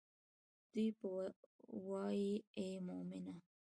دوي به وائي اے مومنه!